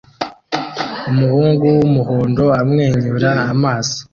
Umuhungu wumuhondo amwenyura amaso